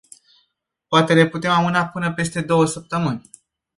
Poate le putem amâna până peste două săptămâni.